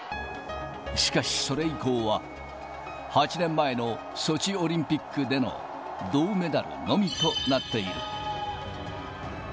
しかし、それ以降は、８年前のソチオリンピックでの銅メダルのみとなっている。